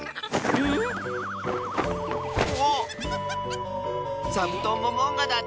おっ！